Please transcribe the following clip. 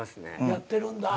やってるんだ。